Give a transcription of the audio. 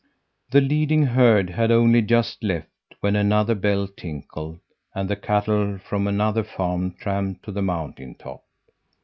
"The leading herd had only just left when another bell tinkled, and the cattle from another farm tramped to the mountain top.